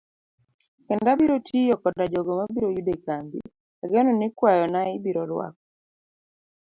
Kendo abiro tiyo koda jogo mabiro yudo e kambi ageno ni kwayona ibiro rwako.